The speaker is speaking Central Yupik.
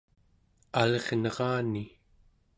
alirnerani